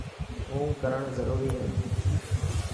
اونگ ڪرڻ ضروري هي.